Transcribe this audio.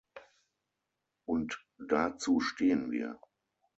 Und dazu stehen wir.